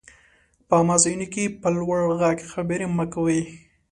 په عامه ځايونو کي په لوړ ږغ خبري مه کوئ!